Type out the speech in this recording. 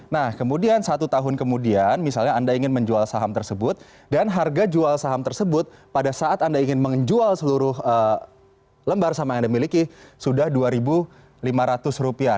nah kemudian satu tahun kemudian misalnya anda ingin menjual saham tersebut dan harga jual saham tersebut pada saat anda ingin menjual seluruh lembar saham yang anda miliki sudah rp dua lima ratus rupiah